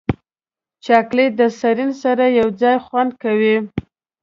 چاکلېټ د سیرین سره یوځای خوند کوي.